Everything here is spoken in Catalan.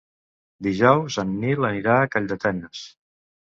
Dijous en Nil anirà a Calldetenes.